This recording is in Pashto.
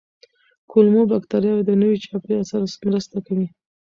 کولمو بکتریاوې د نوي چاپېریال سره مرسته کوي.